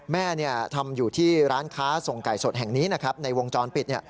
แม่ทำอยู่ที่ร้านค้าส่งไก่สดแห่งนี้นะครับในวงจรปิด